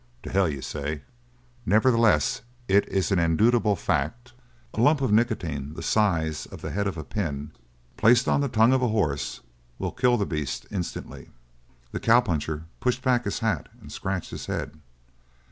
"The hell you say!" "Nevertheless, it is an indubitable fact. A lump of nicotine the size of the head of a pin placed on the tongue of a horse will kill the beast instantly." The cowpuncher pushed back his hat and scratched his head.